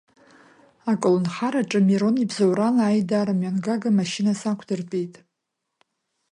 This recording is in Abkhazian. Аколнхараҿы, Мирон ибзоурала, аидара мҩангага машьына сақәдыртәеит.